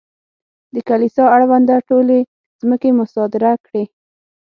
د کلیسا اړونده ټولې ځمکې مصادره کړې.